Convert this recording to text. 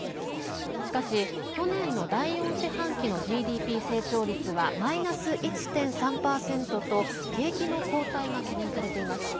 しかし、去年の第４四半期のＧＤＰ成長率はマイナス１．３％と景気の後退が懸念されています。